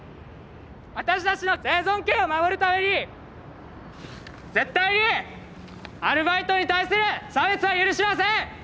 私たちの生存権を守るために絶対にアルバイトに対する差別は許しません！